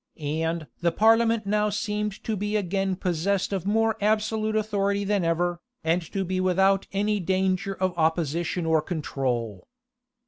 And the parliament now seemed to be again possessed of more absolute authority than ever, and to be without any danger of opposition or control.